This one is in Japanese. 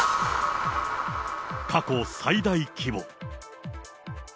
過去最大規模。